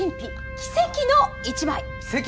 奇跡の１枚。